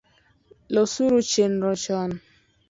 Losuru chenro chon